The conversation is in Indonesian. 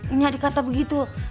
ini gak dikata begitu ya